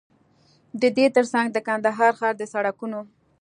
ددې تر څنګ د کندهار ښار د سړکونو